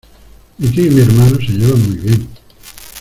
Mi tío y mi hermano se llevan muy bien.